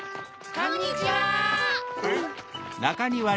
・こんにちは！